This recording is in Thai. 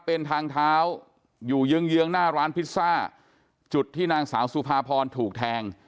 เป็นทางเท้าอยู่เยื้องเยื้องหน้าร้านพิซซ่าจุดที่นางสาวสุภาพรถูกแทง